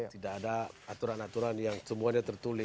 tidak ada aturan aturan yang semuanya tertulis